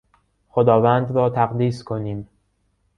خداوند را تقدیس کنیم.